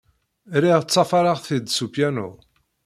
Lliɣ ṭṭafareɣ-t-id s upyanu.